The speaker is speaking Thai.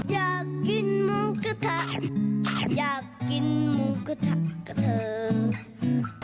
อยากกินหมูกระทะอยากกินหมูกระทะกับเธอ